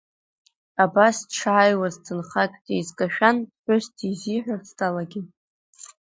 Абас дшааиуаз ҭынхак дизкашәан, ԥҳәыс дизиҳәарц далагеит.